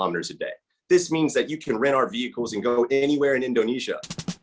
ini berarti anda bisa mengusir mobil kita dan pergi ke mana mana di indonesia